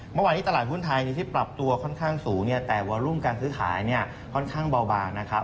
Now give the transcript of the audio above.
เมื่อวานนี้ตลาดหุ้นไทยที่ปรับตัวค่อนข้างสูงเนี่ยแต่วอลุ่มการซื้อขายเนี่ยค่อนข้างเบาบางนะครับ